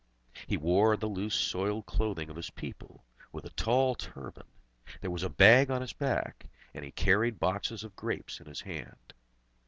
He wore the loose soiled clothing of his people, with a tall turban; there was a bag on his back, and he carried boxes of grapes in his hand.